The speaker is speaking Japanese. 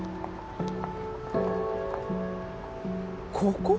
ここ？